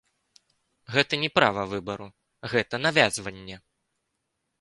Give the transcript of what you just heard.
Гэта не права выбару, гэта навязванне.